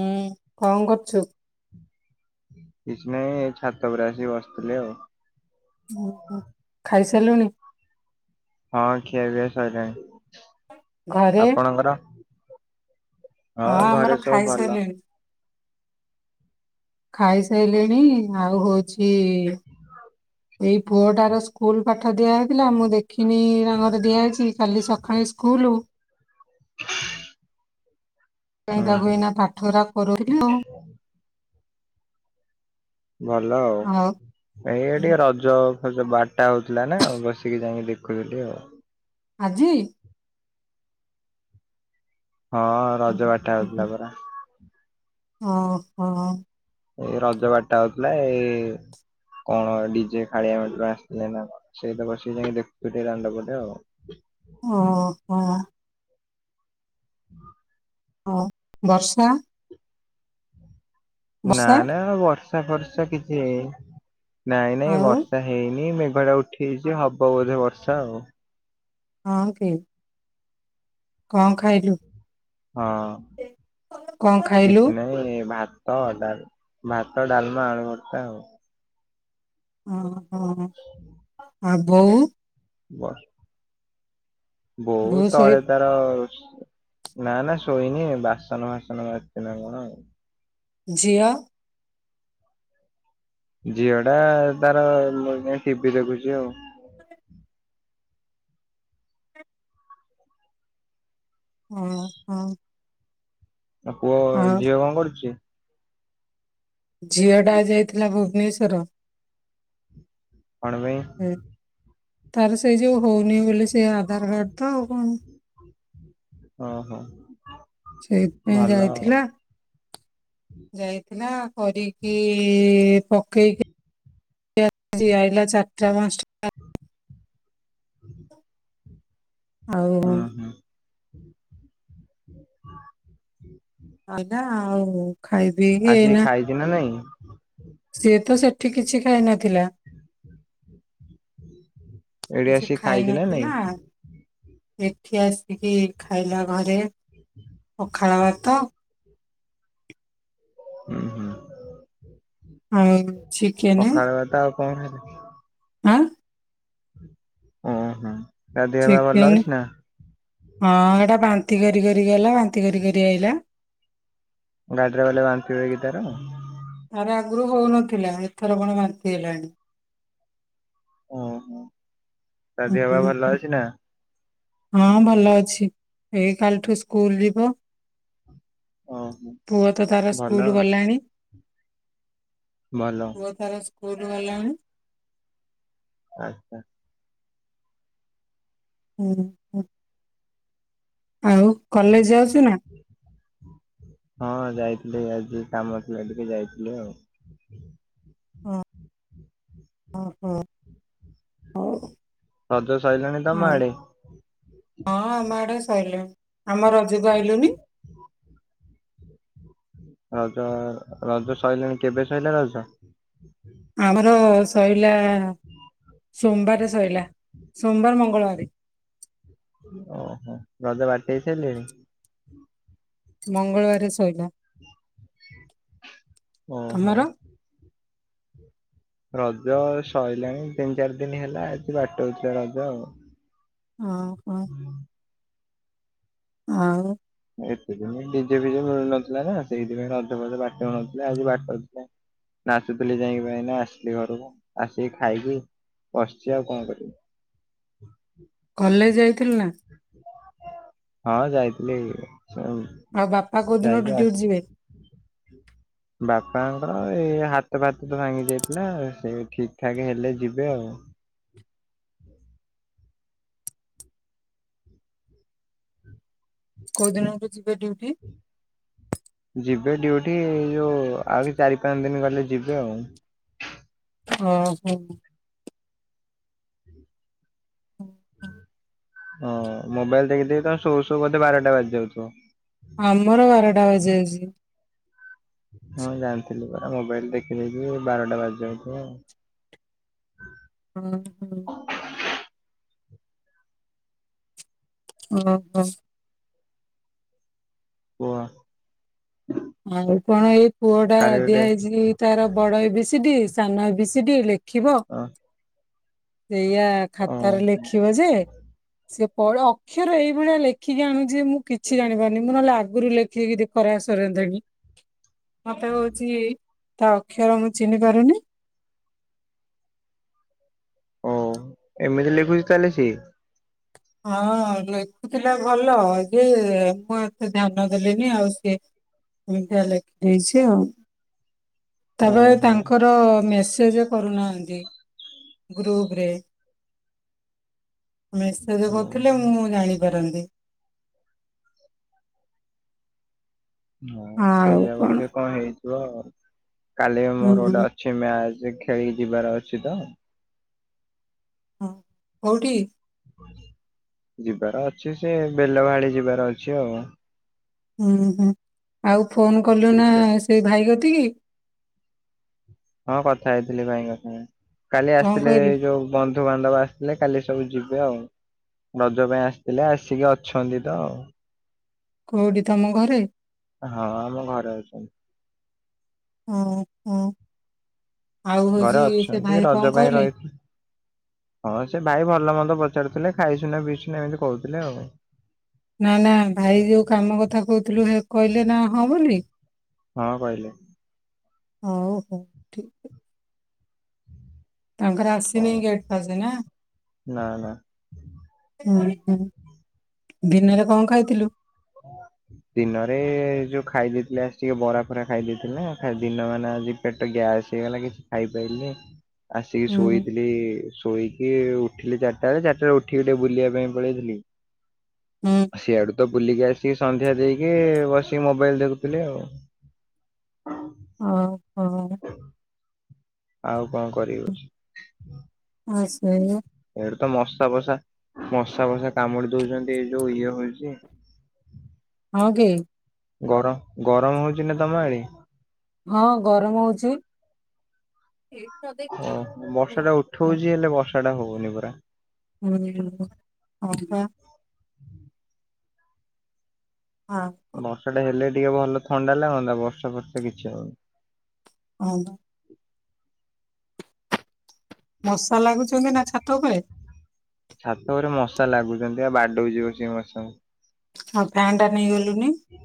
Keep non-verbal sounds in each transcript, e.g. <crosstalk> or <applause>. ଉଁ କଣ କରୁଚୁ? କିଛି ନାଇଁ ଏଇ ଛାତ ଉପରେ ଆସିିକ ବସଥିଲି ଆଉ। ଉଁ ହୁଁ ଖାଇସ୍ ତେଲୁଣି। ହଁ ଖିଆ ପିଆ ସଇଲାଣି। ଘରେ ଆପଣଙ୍କର? ହଁ ଘରେ ଆମର ସବୁ ଖାଇ ଭଲ। ସାରଲେଣି। ଖାଇସାଇଲେଣି ଆଉ ହଉଛି। ଇଇଏ। ଏଇ ପୁଅଟାର ସ୍କୁଲ ପାଠ ଦିଆଯଇଥିଲା ମୁଁ ଦେଖ କୀ ରଙ୍ଗରେ ଦିଆହାଇଛି କାଲି ସକାଳେ ସ୍କୁଲ। ହୁଁ ଗଇଁଦ ହୁଁ ଗଇନା ପାଠରା କରୁୁ। ଭଲ ଆଉ ଏ ଟିକେ ରଜ। ବାରଟା ହଉଥିଲା ନା ବସିକି ଯାଇକି ଦେଖୁଥିଲି ଆଉ। ଆଜି ହଁ ରଜ ବାଠା ହଉଥିଲା ପରା ଓ ହୋ। ଏଇ ରଜ ବାାରଟା ହଉଥିଲା ଏଇ କଣ ଡିଜେ ଖାଳିଆ ଆସିଥିଲେ ନା ସେଇ ତ ବସିକି ଯାଇକ ଦେଖୁୁ ଦଣ୍ଡପଟେ ଆଉ। ହଁ। ହ ହଁ। ହ ବର୍ଷା। ନା ବର୍ଷା ନା ବ ଵର୍ଷା ଖର୍ଷା କିଛି। ନାଇଁ ନାଇଁ ଆଉ ବର୍ଷା ହେଇନି। ଭଡା ଉଠିଛି ହବ ବୋଧେ ବର୍ଷା ଆଉ। ହଁକ କଣ ଖାଇଲୁ? ହଁ କଣ ଖାଇଲୁ? କିଛି ନହିଁ ଭ ତଡ ଭାତ ଡଲମା ଆଣ କରତା ଆଉ। ହଁ। ହଁ। ଆବୋ ବାସ୍ ବହୁତ ବୋଉ ଶୋଇ ତଳେ ତାର ନା ନା ଶୋଇନି ବାସନ ଫାସନ ବାାରଛି ନା କଣ ଆଉ। ଜିଆ। ଝିଅ ଟା ତାର ମୁଁ ଯ ିପି ଦେଖୁଛି ଆଉ। ହଁ ହୁଁ। ଆଉ ପୁଅ ଝିଅ କଣ କରୁଛି? ଝିଅଟା ଯାଇଥିଲା ଭୁବନେଶ୍୍ୱର ପାଣୱେ ତାର ସେଇ ଯେଉ ହଉନି ବୋଲିୋଇ ସେ ଆଧାର କାର୍ଡ ତ ଆଉ କଣ? ଓହୋ ସେଇଥିପାଇଁ ଭଲ ଆଉ। ଯାଇଥିଲା। ଯାଇଥିଲା କରିକି ପକେଇକି ଆଇଲା ଚାରିଟା ପାଞ୍ଚଟା ଆଉ ହଁ ହୁଁ। ଆଇଲା ଆଉ। ଖାଇ ପିଇକି ଆସିକି ଏଇନା ଖାଇଛି ନା ନାଇଁ। ସିଏ ତ ସେଠି କିଛି ଖାଇନ। ଏଇଠି କିଛି ଆସିକି ଖାଇ ଖାଇଛି ନା ନାଇଁ? ନଥିଲା। ଏଠି ଆସିକି ଖାଇଲା ଘରେ ପଖାଳ ଭାତ ହୁଁ ହୁଁ ହଁ ଚିକେନ ପଖାଳ ଭାତ ଆଉ କଣ ହେଲେ ହଁ ଓଁ ହଁ ଦେହ ପା ଭଲ ଚିକେନ ଅଛି ନା ହଁ ଏଟା ବାନ୍ତି କରି କରି ଗଲା ବାନ୍ତି କରି କରି ଆଇଲା ଗାଡି ରେ ଗଲେ ବାନ୍ତି ହୁଏ କି ତାର ଆରେ ଆଗରୁ ହଉନଥିଲା ଏଥର କଣ ବାନ୍ତି ହେଲାଣି ଓ ହୋ ତା ଦେହ ବା ଭଲ ହୁଁ ଅଛି ନା ହଁ ଭଲ ଅଛି ଏଇ କାଲିଠୁ ସ୍କୁଲ ଯିବ ଓହୋ ପୁଅ ତ ତାର ଭଲ ସ୍କୁଲ ଗଲାଣି ଭଲ ପୁଅ ତାର ସ୍କୁଲ ଗଲା ଆଛା ହୁଁ ହୁଁ ଆଉ କଲେଜ ଯାଉଛିୁ ନା ହଁ ଯାଇଥିଲି ଆଜି କାମ ଥିଲା ଟିକେ ଯାଇଥିଲି ଆଉ ଓହୋ ହଉ ରଜ ସରିଲାଣି ତମ ଆଉ ହଁ ଆଡେ ସହିଲ ଆମ ରଜକୁ ଆଇିଲୁନି ରଜ ରଜ ସରିଲାଣି କେବେ ସରିଲା ରଜ ଆମର ଶ ଲା ସୋମବାରରେ ଶୋଇଲା ସୋମବାର ମଙ୍ଗଳବାର ଓହୋ ରଜ ବାଟ ହେଇ ସାରିଲେଣି ମଙ୍ଗଳବାର ଶଇଲା ଓ ହୋ। ତମର ରଜ ସରିଲାଣି ତିନି ଚାରି ଦିନ ହେଲା ଏଠ ବାଟ ହଉଥିଲା ରଜ ଆଉ। ହଁ ହଁ। ଆଉ। ଏତେ ଦିନ ଡିଜେ ଫିଜେ ମିଳୁନଥିଲା ନା ସେଇଥିପାଇଁ ରଧ ଫଧେ ବାଟ ହ ନଥିଲେ ଆଜି ବାଟଥିଲେ ନାଚୁଥିଲି ଯାଇକ ପାଇଁ ନା ଆସିଲି ଘରକୁ ଆସିକି ଖାଇକି ବସିଛି ଆଉ କଣ କରିବି <inaudible> କଲେଜ ଯାଇ। ଥିଲ ନା <inaudible> ହଁ ଯାଇଥିଲି। ଆଉ ବାପା କୋଉ ଦିନ ଯାଇକି ଠୁ ଡ୍ୟୁଟି ଆସି ଯିବେ? ଆପଣ ଏଇ ହାତ ଫାତ ତ ଭାଙ୍ଗି ଯାଇଥିଲା ସେ ଠିକ ଠାକ ହେଲେ ଯିବେ ଆଉ। କୋଉ ଦିନ ଯିବେ ଡ୍ୟୁଟି? ଏବେ ଡ୍ୟୁଟି ଯୋଉ ଆଉରି ଚାରି ପାଞ୍ଚ ଦିନ ଗଲେ ଯିବେ ଆଉ। ଓ ହୋଁ। ହଁ ମୋବାଇଲ ଦେଖି ଦେଖି ତ ଶୋଉ ଶୋଉ ବୋଧେ ବାରଟା ବାଜି ଯାଉଥିବ। ଆମର ବାରଟା ବଜାଉଛି। ହଁ ଜାଣିଥିଲି ପରା ମୋବାଇଲ ଦେଖି ଦେଖି ବାରଟା ବାଜିଯାଉ ଥିବ। ହଁ ହଁ। ଓଃ । କୁହ। ଆଉ କଣ ଏଇ ପୁଅ ଟା କାଲି ଗୋଟେ ଦିଆହେଇଛି ତାର ବଡ ଏ ବି ସି ଡ଼ି ସାନ ଏବିସି ଡି ଲେ ଖିବ ଅ ସେଇଆ ଓ ଖାତାରେ ଲେଖିବ ଯେ ସେ ଅକ୍ଷର ଏଇଭଳିଆ ଲେଖିକି ଆଣୁଛି ମୁଁ କିଛି ଜାଣିପାରୁନି ମୁଁ ନହେଲେ ଆଗରୁ ଲେଖିକିିକ କରା ସର ତିଣି ମତେ ହଉଛି ତା ଅକ୍ଷର ମୁଁ ଚିହ୍ନି ପାରୁନି। ଓ ଏମିତି ଲେଖୁଛି ତାହେଲେ ସିଏ। ହଁ ଲେଖୁଥିଲା ଭଲ ଯେ ମୁଁ ଏତେ ଧ୍ୟାନ ଦେଲିନି ଆଉ ସିଏ ଏମିତିଆ ଲେଖିଦେଇଛି ଆଉ। ତାପରେ ଓହୋ ତାଙ୍କର ମେସି କରୁ ନାହାନ୍ତି ଗ୍ରୁପରେ। <inaudible> କଥିଲେ ମୁଁ ଜାଣିପାରନ୍ତି। ହଁ ସେଇଆ ବୋଧେ କଣ ହେଇଥିବ ଆଉ କାଲି ମୋର ଗୋଟେ ହୁଁ। ଅଛି ମ୍ୟାଚ୍। ସେ ଖେଳି ଯିବାର ଅଛି ତ। ହଁ କୋଉଠି? ଯିବାର ଅଛି ସେ ବେଲ ବାହାଳି ଯିବାର ଅଛି ଆଉ । ଉୁଁ ହୁଁ ଆଉ ଫୋନ କଲୁ ନା କ୍ରିକେଟ ସେ ଭାଇ କତିକି? ହଁ କଥା ହେଇଥିଲି ଭାଇଙ୍କ ସାଙ୍ଗେ। କାଲି କଣ ଆସିଥିଲେ କହିଲେ ଏଇ ଯୋଉ ବନ୍ଧୁବାନ୍ଧବ ଆସିଥିଲେ କାଲି ସବୁ ଯିବେ ଆଉ ରଜ ପାଇଁ ଆସିଥିଲେ ଆସିକି ଅଛନ୍ତି ତ ଆଉ । କୋଉଠି ତମ ଘରେ? ହଁ ଆମ ଘରେ ଅଛନ୍ତି । ହଁ <unintelligible> ଆଉ ଘରେ ହଉଛି ସେ ଅଛନ୍ତି ଭାଇ ରଜ କଣ ପାଇଁ କହିଲେ? ରହିଥିଲେ। ହଁ ସେ ଭାଇ ଭଲ ମନ୍ଦ ପଚାରୁଥିଲେ ଖାଇଚୁନା ପିଇଚୁନା ଏମିତି କହୁଥିଲେ ଆଉ ନା ନା ଭାଇ ଯୋଉ କାମ କଥା କହୁଥିଲୁ ହେ କହିଲେ ନା ହଁ ବୋଲି? ହଁ କହିଲେ । ହଉ ହଉ ଠିକ୍ ତାଙ୍କର ହଁ ଆସିନି ଗେଟ ପାସ୍ ନା? ନା ନା। ରେକଡି ଉହୁଁ ଦିନରେ କଁ ଖାଇଥିଲୁ? ଦିନରେ ଯୋଉ ଖାଇ ଦେଇଥିଲି ଆଜି ଟିକେ ବରା ଫରା ଖାଇ ଦେଇଥିଲିନା ଦିନ ମାନ ଆଜି ପେଟ ଗ୍ୟାସ୍ ହେଇଗଲା କିଛି ଖାଇପାଇଲିନି । ଆସିକି ହୁଁ ଶୋଇଥିଲି ଶୋଇ ଇଏ ଉଠିଲି ଚାରଟା ବେଳେ ଚାରିଟାରେ ଉଠିକି ଟିକେ ବୁଲିବା ପାଇଁ ପଳେଇଥିଲି ହୁଁ । ସିଆଡୁ ତ ବୁଲିକି ଆସିକି ସନ୍ଧ୍ୟା ଦେଇକି ବସିକି ମୋବାଇଲ ଦେଖୁଥିଲି ଆଉ । ଆଉ? ଆହୁ? ଆଉ କଣ କରିଉଚି? ଆ ସେୟା । ଏଇଠି ତ ମଶା ଫସା ମଶା ବସା କାମୁଡି ଦଉଛନ୍ତି ଏଇ ଯୋଉ ଇଏ ହଉଛି । ହଁ କି? ଗର <unintelligible> ହଁ ଗରମ ହଉଚି । ଓହୋ ବର୍ଷା ଟା ଉଠଉଛି ହେଲେ ବର୍ଷା ଟା ହଉନି ପରା? ହୁଁ, ହଁ ପା ଆଉ କଣ? ବର୍ଷାଟା ଏଲେ ଟିକେ ଭଲ ଥଣ୍ଡା ଲାଗନ୍ତା ବର୍ଷା ଫର୍ଷା କିଛି ହଉନି । <unintelligible> ମଶା ଲାଗୁଛନ୍ତି ନା ଛାତ ଉପରେ? ଛାତ ଉପରେ ମଶା ଲାଗୁଚ଼ନ୍ତି ଆ ବାଡଉଛିି ବସିକି ମଶା । ହଉ ଫ୍ୟାନ୍ ଟା ନେଇଗଲୁ ହୁଁ।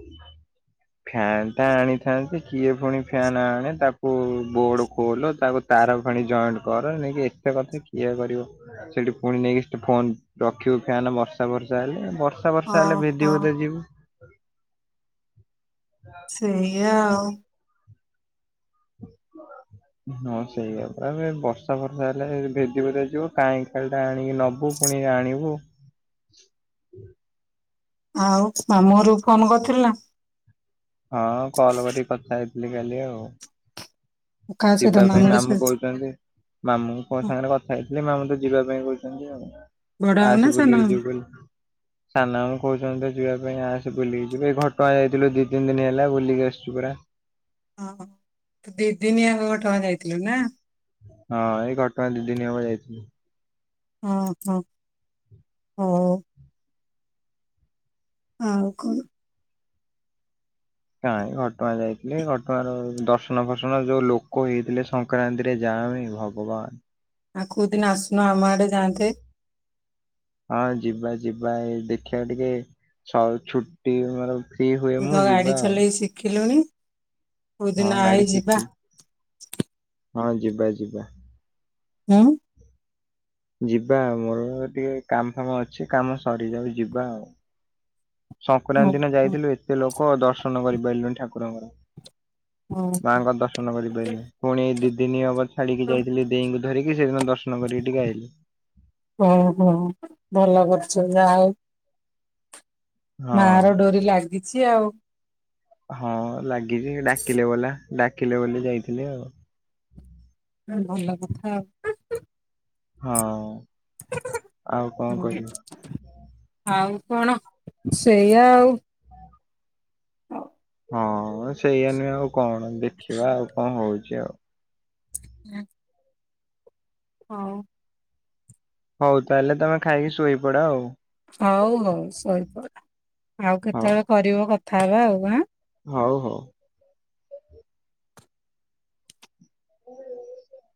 ଫ୍ୟାନ ଟ ଆଣିଥାନ୍ତି କିଏ ପୁଣି ଫ୍ୟାନ ଆଣେ ତାକୁ ବୋର୍ଡ ଖୋଲ ତାକୁ ତାର ଫାଣି ଜଏଣ୍ଟ କର ନେଇକି ଏତେ କଥା କିଏ କରିବ ସେଠି ପୁଣି ନେଇକି ଫୋନ ରଖିବୁ ଫ୍ୟନ୍ ବର୍ଷା ବର୍ଷା ହେଲେ ବର୍ଷା। ବର୍ଷ ବର୍ଷା ହେଲେ ଓହୋ ଭେଧିିବଧ ଯିବୁ। ହ। ସେଇଆା ହଁ ସେଇା ପୁରା ଏମ ବର୍ଷା ବର୍ଷା ହେଲେ ଭେଦ ଭଦ ଯିବ କାହିଁ ଖାଳି ଟା ଆଣିକି ନବୁ ପୁଣି ଆଣିବୁ। ଆଉ ମାମୁ ର ଫୋନ କରିଥିଲ ନା । ହଁ କଲ କରି କଥା ହେଇ ବ ଗାଲେ ଆଉ । କାହା ସହିତ ଯିବା ପାଇଁ ମାମୁଁଙ୍କ ମାମୁଁ ସହିତ କହୁଛନ୍ତି ମାମୁ କଣ ସାଙ୍ଗରେ କଥା ହେଇଥିଲି ମାମୁଁ ଯିବା ପାଇଁ କହୁଛନ୍ତି ଆଉ ବଡ । ମାମୁଁ ନା ଆସ ସାନ ବୁଲି କି ମାମୁଁ? ଜିବୁ ବୋଲି ସାନ କହୁଛନ୍ତି ତ ଯିବା ପାଇଁ ଆସ ବୁଲିକି ଯିବ ଏଇ ଘଟଣା ଯାଇଥିଲୁ ଦିଇ ତିନି ଦିନ ହେଲା ବୁଲିକି ଆସି ପୁରା । ଓ ଦିଦିନି ଆମ ଟଙ୍କା ଯାଇଥିଲୁ ନା । ହଁ ଏଇ ଘଟଣା ଦି ଦିନିବେଳେ ଯାଇଥିଲ । ହଁ ହଁ ହଁ । ହଉ କ କାହିଁ ଘଟଗାଁ ଯାଇଥିଲି ଘଟଗାଁର ଦର୍ଶନ ଫର୍ସଣ ଯୋଉ ଲୋକ ହେଇଥିଲେ ସଂକ୍ରାନ୍ତିରେ ଯାଣି ଭଗବାନ । ଆଉ କୋଉଦିନ ଆସୁନ ଆମ ଆଡେ ଯାଆନ୍ତେ । ହଁ ଯିବା ଯିବା ଏ ଦେଖିବା ଟିକେ ଛୁଟି ମ ତୁ ତ ଗାଡି ଚଲେଇ ଶିଖିଲୁଣି। <inaudible> କୋଉଦିନ ହଁ ଗାଡି ଆଇ ଯିବା? ଶିଖିଲି। ହଁ ଯିବା ଯିବା । ହୁଁ। ଯିବା ଆଉ ମୋର ଟିକେ କାମ ଫାମ ଅଛି କାମ ସରିଯାଉ ଯିବା ଆଉ । ହୁଁ ସଂକ୍ରାନ୍ତି ଦିନ ହୁଁ ଯାଇଥିଲୁ ଏତେ ଲୋ କ ଦର୍ଶନ କରିପାରିଲୁଣି ଠାକୁରଙ୍କର। ହୁଁ ମାଙ୍କ ଦର୍ଶନ କରିପାରିଲି ପୁଣି ଦିଦିନି ହବର ଛାଡିକି ଯାଇଥିଲି ଦେଇଙ୍କୁ ଧରିକି ସେଦିନ ଦର୍ଶନ କରିକି ଟିକେ ଆଇଲି। ହଉ ହଉ ଭଲ କରୁଛ ଯାହା ହଉ ହଁ ମା ର ଡୋରି ଲାଗିଛି ଆଉ । ହଁ ଲାଗିଛି ଡାକିଲେ ବଲା ଡାକିଲେ ବୋଲି ଯାଇଥିଲି ଆଉ। ହ ଭଲ କଥା । ହଁ । ହ ହଉ କଣ ସେଇଆ ଆଉ? ହଁ ସେଇଆ ନୁଏ ଆଉ କଣ ଦେଖିବା ଆଉ କଣ ହଉଛି ଆଉ? ହୁଁ। ହଉ। ହଉ ତାହେଲେ ତମେ ଖାଇକି ଶୋଇ ପଡ ଆଉ। ହଉ ହଉ। ଶୋଇପଡ଼ ଆଉ ହଉ କେତେବେଳେ କରିବ କ କଥା ହବା ଆଉ ଆଁ। ହଉ ହଉ। <unintelligible>